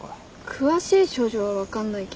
詳しい症状は分かんないけどほら